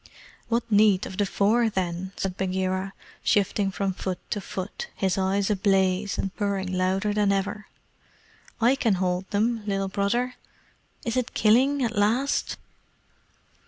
"What need of the Four, then?" said Bagheera, shifting from foot to foot, his eyes ablaze, and purring louder than ever. "I can hold them, Little Brother. Is it killing at last?